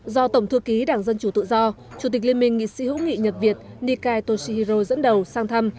do tổng thư ký đảng dân chủ tự do chủ tịch liên minh nghị sĩ hữu nghị nhật việt nikai toshihiro dẫn đầu sang thăm